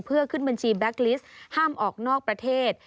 เพื่อขึ้นบัญชีแบ็คลิสต์ห้ามออกนอกประเทศ